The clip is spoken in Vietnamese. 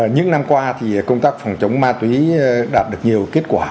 những năm qua thì công tác phòng chống ma túy đạt được nhiều kết quả